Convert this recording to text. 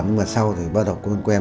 nhưng mà sau thì bắt đầu con quen